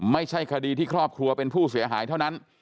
ไม่ใช่คดีที่ครอบครัวเป็นผู้เสียหายเท่านั้น